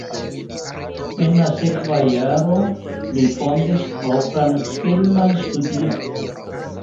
En la sekva jaro li fondis propran filman studion.